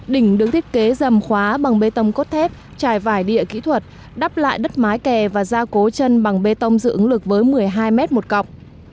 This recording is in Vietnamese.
đỉnh được thiết kế dầm khóa bằng bê tông cốt thép trải vải địa kỹ thuật đắp lại đất mái kè và ra cố chân bằng bê tông dự ứng lực với một mươi hai mét một cọc